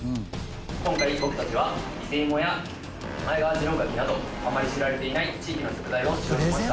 今回僕たちは伊勢芋や前川次郎柿などあまり知られていない地域の食材を使用しました。